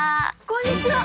こんにちは。